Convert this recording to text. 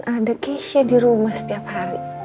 ada keisha dirumah setiap hari